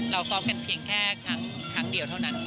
เราซ้อมกันเพียงแค่ครั้งเดียวเท่านั้น